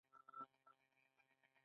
هغه په بې وزله هېواد کې نړۍ ته راځي.